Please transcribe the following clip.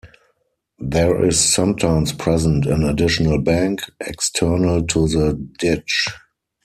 There is sometimes present an additional bank, external to the ditch.